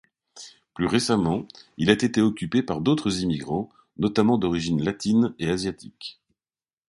Plus récemment, il a été occupé par d'autres immigrants, notamment d'origine latine et asiatique.